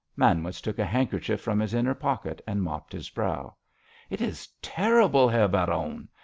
Manwitz took a handkerchief from his inner pocket, and mopped his brow. "It is terrible, Herr Baron!